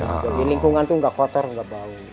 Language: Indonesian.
jadi lingkungan tuh gak kotor gak bau